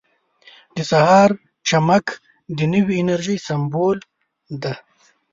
• د سهار چمک د نوې انرژۍ سمبول دی.